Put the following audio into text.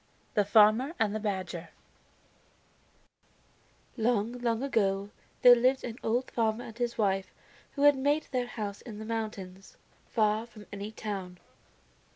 THE FARMER AND THE BADGER Long, long ago, there lived an old farmer and his wife who had made their home in the mountains, far from any town.